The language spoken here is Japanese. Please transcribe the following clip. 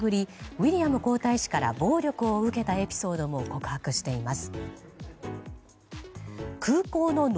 ウィリアム皇太子から暴力を受けたエピソードも告白しています。